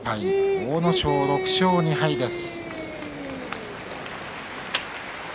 阿武咲は６勝２敗です。